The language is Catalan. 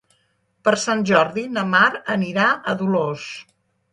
Per Sant Jordi na Mar anirà a Dolors.